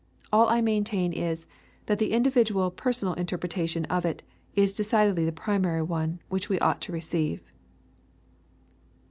All I maintain is, that the individual personal interpretation of it is decidedly the primary one which it ought to receive.